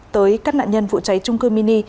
tới các nạn nhân vụ cháy chung cư mini